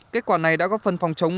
kết quả này đã góp phần phòng chống